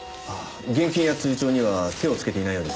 現金や通帳には手をつけていないようです。